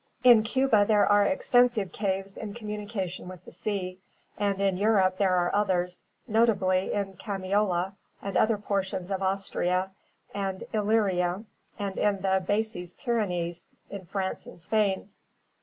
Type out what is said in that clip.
In Cuba there are extensive caves in communication with the sea, and in Europe there are others, notably in Camiola and other portions of Austria and Illyria and in the Basses Pyrenees in France and Spain.